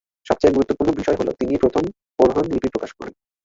সবচেয়ে গুরুত্বপূর্ণ বিষয় হল, তিনিই প্রথম ওরহন লিপি প্রকাশ করেন।